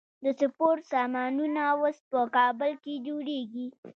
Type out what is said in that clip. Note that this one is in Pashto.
د سپورت سامانونه اوس په کابل کې جوړیږي.